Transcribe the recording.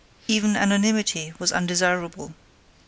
Even anonymity was undesirable.